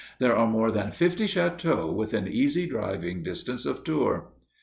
There are more than fifty châteaux within easy driving distance of Tours.